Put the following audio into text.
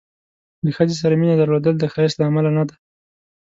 د ښځې سره مینه درلودل د ښایست له امله نه ده.